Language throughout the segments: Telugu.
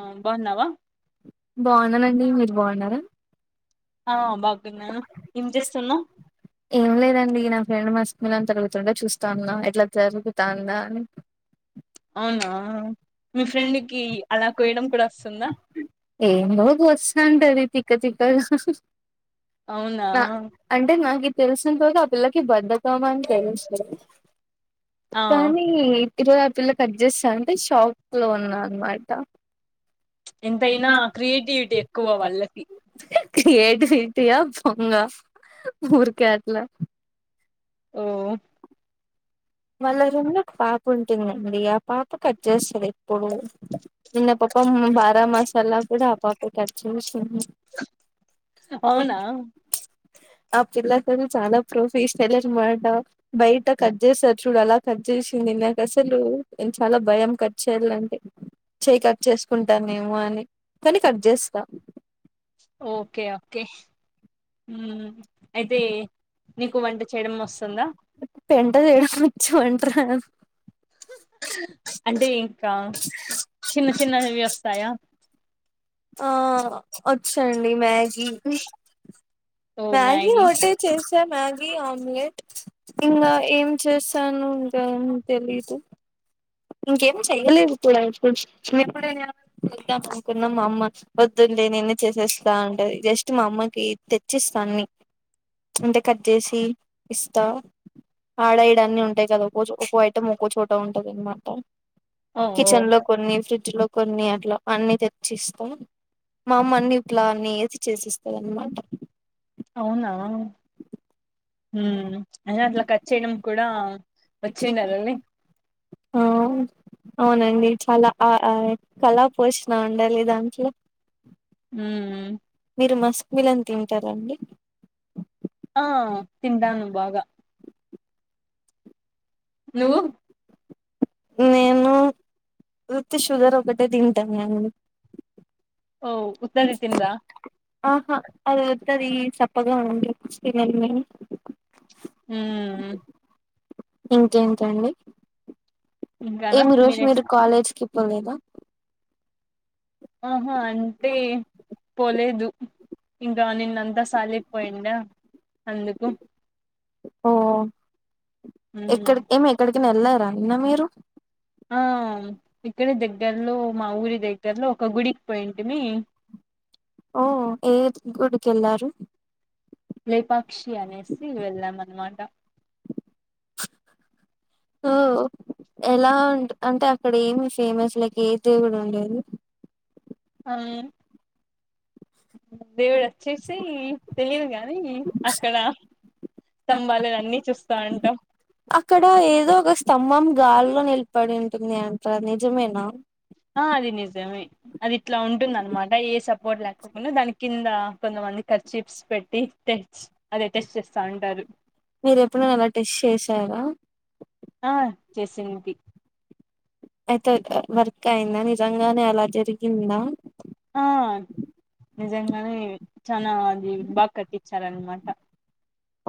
ఆ బాగున్నావా. బాగున్నానండి మీరు బాగున్నారా అం ఏం చేస్తున్నావ్ ఏం లేదండి నాకు రెండు మస్మిలాని తరుగుతుండే చూస్తా ఉన్న ఎట్లా జరుగుతుందా అని అవునా అ మీ ఫ్రెండ్ కి అలా కోయడం కూడా వస్తుందా అంటే తిక్క తిక్క అవునా నా అంటే నా తెలుస్త ఆ పిల్లకి బద్దకం అని తెలుసు. ఆ కానీ ఇరవై ఆరు పిల్లలు కట్ చేస్తాను అంటే షాక్. లో ఉన్న అనమాట ఎంతైనా క్రియేటివిటీ ఎక్కువ వాళ్ళకి ఏంటి [unintelligible] [unintelligible] ఊరికే అట్లా ఓ వాళ్ల రూమ్ లో పాప ఉంటుంది అండి ఆ పాప కట్ చేస్తాది ఎప్పుడు నిన్న పప్పం బారా మసాలా కూడా ఆ పాప కట్ చేసింది. అవునా ఆ పిల్లతో చాలా ప్రోఫ్ ఈ స్టైల్ అనమాట బయట కట్ చేస్తాది చూడు అలా కట్ చేసింది నాకు అసలు నేను చాలా భయం కట్ చేయాలంటే చేయి కట్ చేసుకుంటానేమో అని కానీ కట్ చేస్తా ఓకే ఓకే ఉమ్ అయితే నీకు వంట చేయడం వస్తుందా పెంట్ట చేయడం వచ్చు వంట రాదు అంటే ఇంకా చిన్న చిన్న వస్తాయ ఆ వచ్చండి మ్యాగి మ్యాగీ ఒకటే చేసాన మ్యాగీ ఆమ్ లేట్ ఇంకా ఏం చేస్తాను ఇంకా తెలీదు ఇంకేం చెయ్యలే కూడా ఎప్పుడు చిన్నప్పుడు ద్దాం అనుకున్నా మా అమ్మ వొద్దున్నలేనిన్న చేసేస్తా ఉంటాది జస్ట్ మా అమ్మకి తెచ్చి ఇస్తా అన్ని అంటే కట్ చేసి ఇస్తా ఆడ ఈడఅన్ని ఉంటాయి కదా రోజు ఒక్కో ఐటం ఒక్కో చోట ఉంటాది అనమాట ఓ ఓ కిచెన్ లో కొన్ని ఫ్రిడ్జ్ ఇట్లా కొన్ని అట్లా అన్ని తెచ్చి ఇస్తా మా అమ్మ అన్ని ఇట్లా అని ఏసి చేసి ఇస్తది అన్నమాట అవునా. హ్మ్ అయినా అట్లా కట్ చేయడం కూడా వచ్చి ఉండాలిలే. ఆ. అవునండి చాలా ఆ కళా పోషణా ఉండాలి దాంట్లో. హ్మ్. మీరు మస్క్ మిలన్ తింటారండి. ఆ తింటాను బాగా. నువ్వు. నేను. ఉత్తి షుగర్ ఒకటే తింటాను అండి ఓ ఉత్తది తిన్రా ఆహా అది అత్తది సప్ ప్పగాడి తన్న హ ఇంకేంటండి ఇంకానా ఏమి రోజు మీరే మీరు కాలేజ్కిి బేదా ఆహా అంటే పోలేదు ఇం నిన్న అంతా సాలయిపోయిడా అందుకు ఓ మ్మ్ ఎక్కడి ఏమి ఎక్కడికినా వెళ్లారా అన్న మీరు ఆ ఇక్కడి దగ్గర్లో మా ఊరి దగ్గర్లో ఒక గుడికి పోయింటి మీ ఓ ఏ గుడికి వెళ్లారు లేపాక్షి అనేసి వెళ్దాం అనమాట ఆ ఎలా ఉ అంటే అక్కడ మి ఫేమస్ క ఏ దేవుడు ఉండేది ఆ దేవుడు వచ్చేసి ఏ తెలియదు గానీ అక్కడ సంంభాలిని అన్నిీ చూస్తా అంటా అక్కడ ఏదో ఒక స్తంభం గాలిలో నిలబడి ఉంటుంది అంట నిజమేనా ఆ అది నిజమే అది ఇట్లా ఉంటుంద అనమాట ఏ సపోర్ట్ లేక్కకుండా దాని కింద కొంతమంది ఇ చిప్స్ పెట్టి తె మీరు ఎప్పుడుైనా ఎలా టెస్ట్ చేశారా ఆ చేసింది అయితే వర్క్ అయిందా నిజంగానే అలా జరిగిందా ఆ నిజంగానే చనా అది బాగా కట్టిచ్చార అనమాట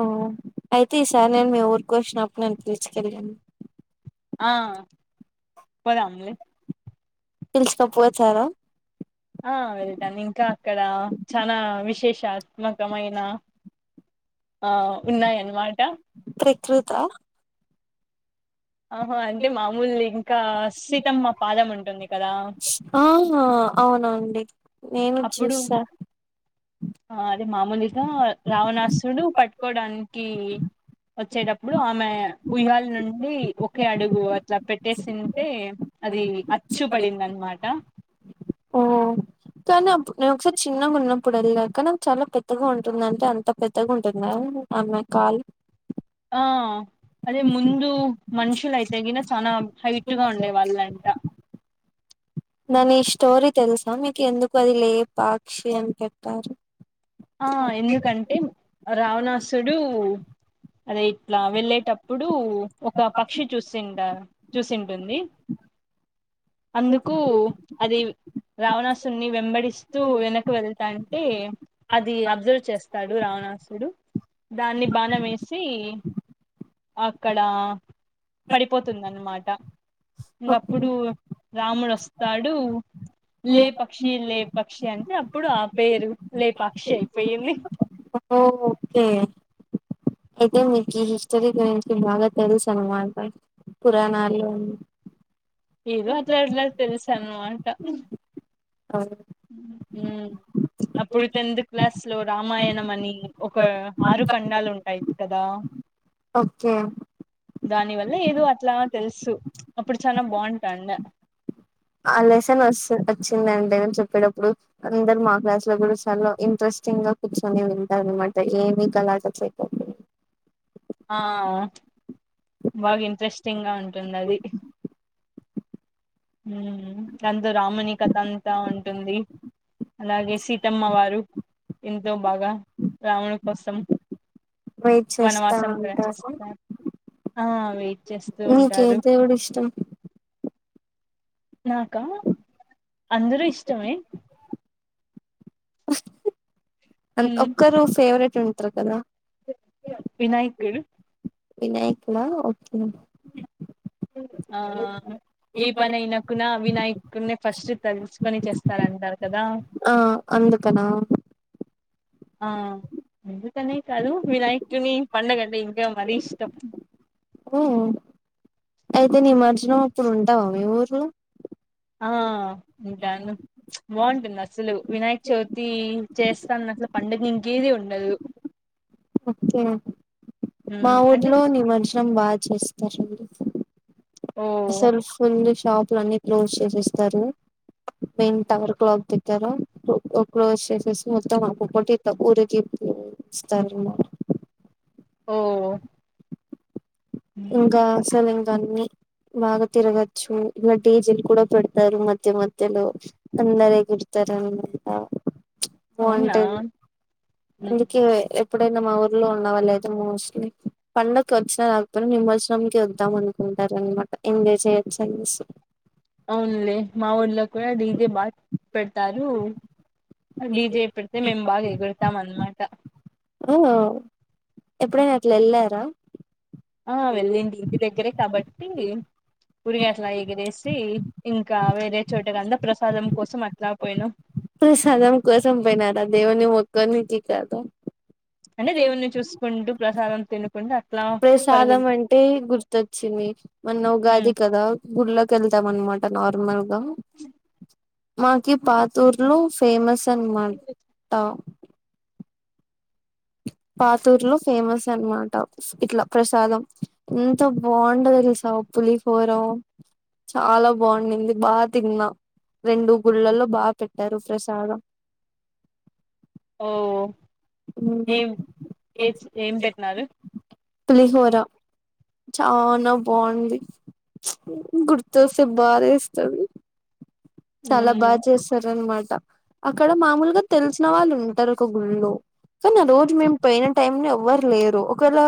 ఓ అయితే ఈసారి నేను మీ ఊరికి వచ్చినప్పుడు నేను పిర్సుకెళ్ళాను ఆ పోదాము పిలుసుకపో వచ్చార ఆ వెళ్తాను ఇంకా అక్కడ చనా విశేషాత్మకమైన ఆ ఉన్నాయన్నమాట ప్రకృత ఆహా అంటే మామూలు ఇంకా సీతమ్మ పాదం ఉంటుంది కదా ఆహా అవును నేను అప్పుడు చూస్తా ఆ అదే మామూలుగా రావణాసుడు పట్టుకోడానికి వచ్చేటప్పుడు ఆమె ఉయ్యాల నుండి ఒకే అడుగు అట్లా పెట్టేసింటే అది అచ్చు పడింది అనమాట ఓ కనీప్పు న ఒకసారి చిన్నగున్నా ఇప్పుడు వెళ్ళాక చాలా పెద్దగా ఉంటుంది అంటే అంత పెద్దగా ఉంటుంది అమ్మాయి కాలు ఆ అదే ముందు మనుషులయితే గిన చనా హైట్ గా ఉండే వాళ్ళంట నని ఈ స్టోరీ తెలుసా మీకు ఎందుకు అది లే పాక్షి అని పెట్టారు ఆ ఎందుకంటే రావణాసుడు అదే ఇట్లా వెళ్ళేటప్పుడు ఒక పక్షి చూసిండ చూసింటుంది అందుకు అది రావణాసురు ని వెంబడిస్తూ వెనక వెళ్తాంటే అది అబ్జర్వ్ చేస్తాడు రావణాసు దాన్ని బాణమేసి అక్కడ పడిపోతుందన్నమాట ఇంకప్పుడు రాముడు వస్తాడు. లే పక్షి లే పక్షి అంటే అప్పుడు ఆ పేరు లేపాక్షి అయిపోయింది ఓ ఓకే అయితే మీకు ఈ హిస్టరీ గురించి బాగా తెలుసు అనుమాట పురాణాలు ఏదో అట్లా అట్లా తెలుసానుమాట అవు ఉం అప్పుడు టెన్త్ క్లాస్ లో రామాయణం అని ఒక ఆరు ఖండాలు ఉంటాయి కదా ఓకే దాని వల్ల ఏదో అట్లా తెలుసు అప్పుడు చాలా బాగుంటాడ అ లెసన్ వస వచ్చి దంటే అని చెప్పేటప్పుడు అందరు మా క్లాస్ లో కూడా చాలా ఇంట్రెస్టింగ్ గా కూర్చొని వింటారు. అ ఏమి గలాటా చేయము ఆ బాగా ఇంట్రెస్టింగ్ గా ఉంటుంది అది ఉ దంతో రామణ కథ అంతా ఉంటుంది అలాగే సీతమ్మ వారు ఎంతో బాగా రాముని కోసం వెయిట్ చేస్తా వనవాసం కూడా ఉంటారు చేస్తారు. ఆ వెయిట్ చేస్తూ మీకు ఏ ఉంటారు. దేవుడు ఇష్టం నాకా అందరూ ఇష్టమే అ ఉమ్ ఒక్కరు ఫేవరెట్ ఉంటారు కదా వినాయకుడు వినాయక్లా ఓకే ఆ ఈ పని ఇనాకునా వినయక్ కునే ఫస్ట్ తలుసుకొని చేస్తారంటారు కదా ఆ అందుకనా ఆ ఎందుకనే కాదు వినాయకుడిని పండగంటే ఇంకా మరీ ఇష్టం ఉమ్ అయితే నిమజ్జనం అప్పుడు ఉంటావా మీ ఊర్లో ఆ ఉంటాను బాగుంటుంది అసలు వినాయక చవితి చేస్తాను అసలు పండుగ ఇంకేది ఉండదు. ఒకే మా మ్మ్ అంటే ఊర్లో నిమజ్జనం బదు చేస్తార్ ఓ సెల్ ఫోన్లు షాపులు అన్ని క్లోజ్ చేసేస్తారు. మెయిన్ టవర్ క్లాక్ దగ్గర క్లోజ్ చేసేసి మొత్తం ఒకప్పటి తక్కువరిజ స్ ఓ ఇంకా సలింగాన్ని బాగా తిరగచ్చు ఇలా డీజే లు కూడా పెడతారు మధ్య మధ్యలో అందరే గుర్తార అంతంతా అవునా బాగుంటది అందుకే ఎప్పుడైనా మా ఊర్లో ఉన్నవాళ్ళ లేదు మోస్ట్లీ పండడుకి వచ్చినా ఇప్పుడు నిమజ్జనంకి వద్దాం అనుకుంటార అనమాట ఎంజాయ్ చేయ్యచ్చు అనేసి అవునులే మా ఊళ్ళలో కూడా డీజే బాగా పెడతారు డీజే పెడితే మేము బాగా ఎగురతాం అనమాట ఆ ఎప్పుడైనాట్లా ఎళ్ళారా ఆ వెళ్ళిండి ఇంటి దగ్గరే కాబట్టి గురిగి అట్లా ఎగిరేసి ఇంకా వేరే చోట అంతా ప్రసాదం కోసం అట్లా పోయినం ప్రసాదం కోసం పైనార దేవుని మొక్కొనికి కాద అంటె దేవుణ్ని చూస్కుంటూ ప్రసాదం తిను ప్రసాదం అంటే గుర్తొచ్చింది మొన్న ఉమ్ ఉగాది కదా గుళ్లోకి ఎళ్తాం అన్నమాట నార్మల్గ మాకి పాతూర్లో ఫేమస్ అన్మా ట పాతూర్లో ఫేమస్ అన్మాట ఇట్లా ప్రసాదం ఎంతొ బాంటది తెసా పులిఫోరం చాలా బాండింది బా తిన్న రెండు గుళ్ళలో బా పెట్టారు ఫ్రసాదం ఓ ఏం ఏచ్ ఏం పెట్టినారు పులిహోర చానా బాంది గుర్తొస్తే బాదేస్తుంది చాలా బా ఉమ్ చేసార అన్మాట అక్కడ మామూల్గా తెల్సిన వాళ్ళు ఉంటరు ఒక గుళ్ళో కానా రోజు మేమ్ పోయ్న టైం ని ఎవ్వరు లేరు ఒకళ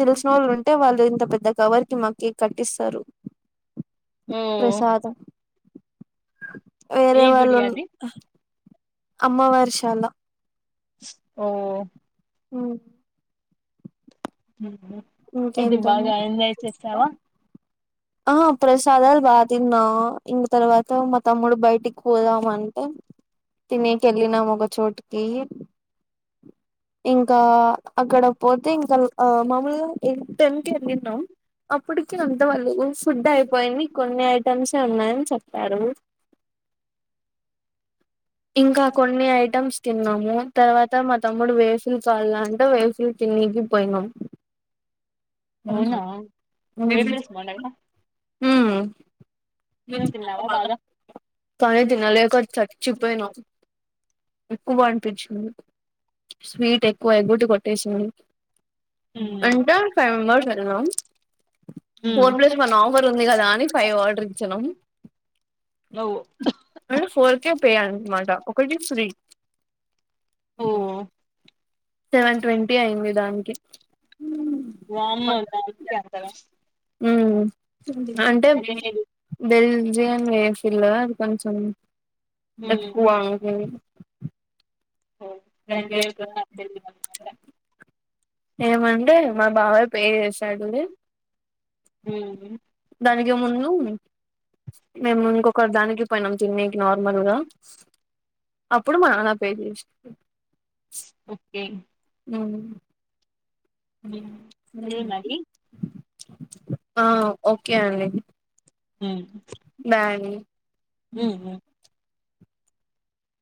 తెల్సిన వాళ్ళు ఉంటే వాళ్ళు ఇంత పెద్ద కవర్ మకీ కట్టిస్సరు ఓ ప్రసాదం ఏ వేరే వాళ్ళు గుడి ఉం అది అమ్మవారిశాల ఓ ఉ ఎది ఇంకేంటండి బాగా ఎంజాయ్ చేసావ ఆ ప్రసాదాల్ బా తిన్నా ఇంక తర్వాత మా తమ్ముడు బయటికి పోదాంటే తినేకి ఎల్లినాం ఒక చోట్కి ఇంకా అక్కడ పోతే ఇంకా ల్ మమూల్గ ఇ టన్కి ఏళ్ళినం అప్పట్కి అంత వాళ్ళు ఫుడ్ ఐపోయింది కొన్ని ఐటమ్సే ఉన్నాయని చెప్పారు ఇంక కొన్ని ఐటమ్స్ తిన్నాం తర్వాత మా తమ్ముడు వేఫిల్ కాల అంటే వేఫిల్ తినికి పోయ్నం అహా అవునా వెఫిల్స్ వేఫల్స్ బాగుండాయా ఊమ్ నువ్వు తిన్నావా బాగా కానీ తినలేక చచ్చి పోయినం ఎక్కువ అనిపించింది స్వీట్ ఎక్కువ ఎగటి కొట్టేసింది ఉమ్ అంటె ఫైవ్ మెంబర్స్ వెల్లినం ఉమ్ ఫోర్ ప్లస్ వన్ ఆఫర్ ఉంది గదా అని ఫైవ్ ఆర్డర్ ఇచ్చాం ఓ అంటే ఫోర్కే పే అన్నమాట ఒకటి ఫ్రీ ఓ సెవన్ ట్వంటీ ఐంది దాన్కి వామ్మో దానీకే అంతన ఉమ్ గ వెఫిల్లు అది కొంచం ఎక్కువా ని ప ఏమంటె మా బావె పే చేసాడు ఉమ్ దానికి ముందు మేము ఇంకొక దానికి పోయ్నం తిన్నికి నార్మల్గా అప్పుడు మా న పే జేసి ఒకే ఉమ్ సరే సరేనండి మరీ ఆ ఒక్కె అండి ఉహ్ బ్యన్ ఉహు